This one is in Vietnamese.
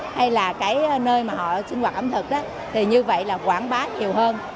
hay là cái nơi mà họ sinh hoạt ẩm thực thì như vậy là quảng bá nhiều hơn